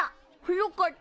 よかった！